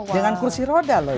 dengan kursi roda loh